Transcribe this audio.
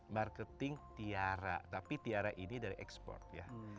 marketing tiara tapi tiara ini dari ekspor ya